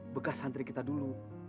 bekas santri kita dulu